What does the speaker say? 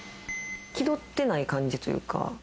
きどってない感じというか。